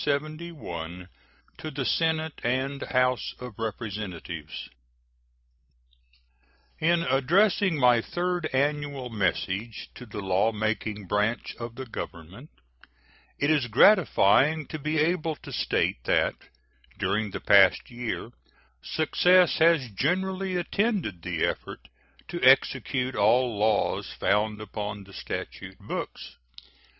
To the Senate and House of Representatives: In addressing my third annual message to the law making branch of the Government it is gratifying to be able to state that during the past year success has generally attended the effort to execute all laws found upon the statute books.